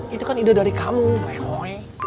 itu kan ide dari kamu rehoy